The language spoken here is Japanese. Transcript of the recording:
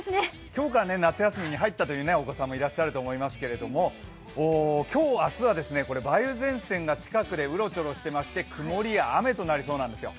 今日から夏休みに入ったというお子さんもいらっしゃると思いますけれども、今日、明日は梅雨前線が近くでうろちょろしていまして、曇りや雨となりそうなんですよ。